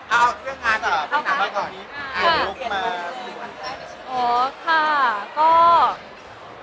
เอ้าเครื่องงานต่อที่ไปภาพธุ์หนังบ้านของนี้อารมณ์มาถึงไหน